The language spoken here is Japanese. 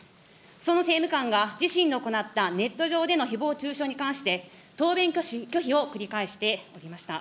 その政務官が自身の行ったネット上でのひぼう中傷に関して、答弁拒否を繰り返しておりました。